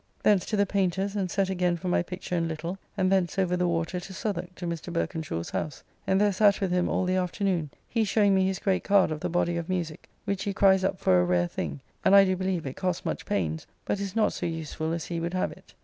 Thence to the Paynter s, and set again for my picture in little, and thence over the water to Southwark to Mr. Berkenshaw's house, and there sat with him all the afternoon, he showing me his great card of the body of musique, which he cries up for a rare thing, and I do believe it cost much pains, but is not so useful as he would have it.